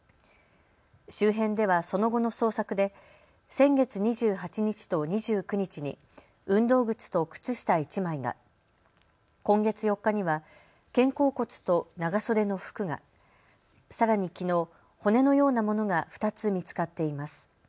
周辺ではその後の捜索で先月２８日と２９日に運動靴と靴下１枚が、今月４日には肩甲骨と長袖の服が、さらにきのう骨のようなものが２つ見つかっています。